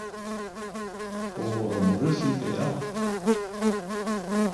O vor omorî și pe ea?